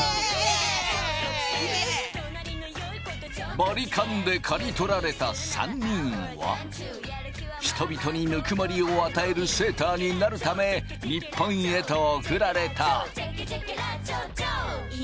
バリカンで刈り取られた３人は人々にぬくもりを与えるセーターになるため日本へと送られた。